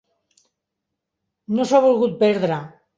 No s'ho ha volgut perdre.